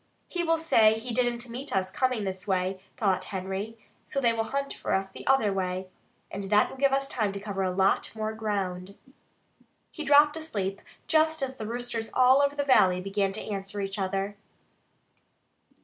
"He will say he didn't meet us coming this way," thought Henry, "so they will hunt for us the other way. And that will give us time to cover a lot more ground." He dropped asleep just as the roosters all over the valley began to answer each other.